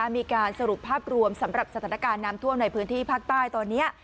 มีการสรุปภาพรวมสำหรับสถานการณ์น้ำท่วมในพื้นที่ภาคใต้ตอนนี้